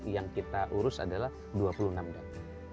yang kita urus adalah dua puluh enam det